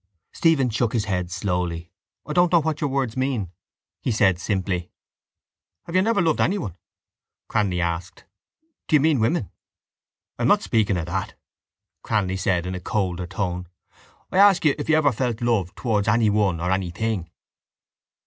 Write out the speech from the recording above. Stephen shook his head slowly. —I don't know what your words mean, he said simply. —Have you never loved anyone? Cranly asked. —Do you mean women? —I am not speaking of that, Cranly said in a colder tone. I ask you if you ever felt love towards anyone or anything?